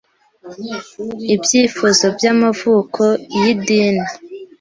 Ibyifuzo by'amavuko y'idini